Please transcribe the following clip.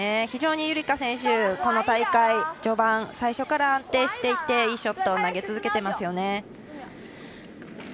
非常に夕梨花選手、この大会序盤最初から安定していていいショットを投げ続けています。